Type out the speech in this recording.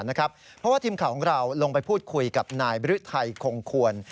เพราะว่าทีมข่าวของเราลงไปพูดคุยกับนายบริไทยคงควร